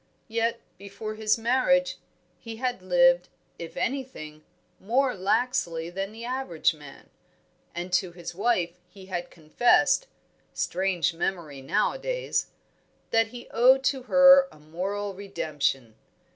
Yet, before his marriage, he had lived, if anything, more laxly than the average man, and to his wife he had confessed (strange memory nowadays), that he owed to her a moral redemption.